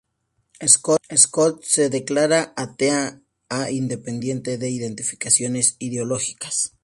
Scotto se declara atea e independiente de identificaciones ideológicas.